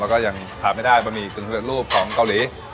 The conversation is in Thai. แล้วก็ยังถามให้ได้บะหมี่เกินสุดยอดรูปของเกาหลี